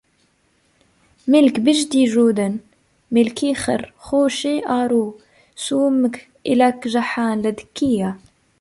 مِلك بِجدي جودن مِلكيخر خوشِ آرو سٌويمْكَ اِك جحان لدكيا